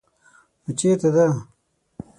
_نو چېرته ده؟